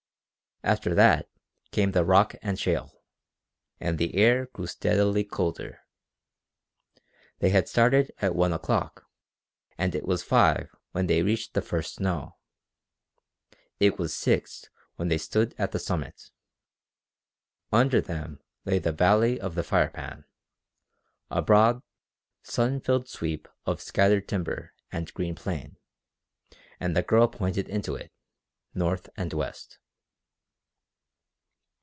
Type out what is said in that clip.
After that came the rock and shale, and the air grew steadily colder. They had started at one o'clock and it was five when they reached the first snow. It was six when they stood at the summit. Under them lay the valley of the Firepan, a broad, sun filled sweep of scattered timber and green plain, and the girl pointed into it, north and west.